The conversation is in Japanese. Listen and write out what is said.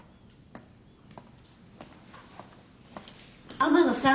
・天野さん